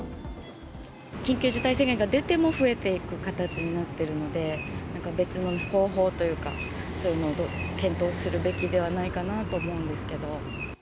緊急事態宣言が出ても増えていく形になっているので、なんか別の方法というか、そういうのを検討するべきではないかなと思うんですけれども。